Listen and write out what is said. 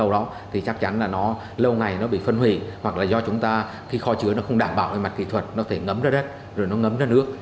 rồi gây ô nhiễm nguồn nước